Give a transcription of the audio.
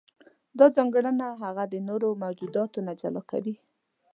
دا ځانګړنه هغه د نورو موجوداتو نه جلا کوي.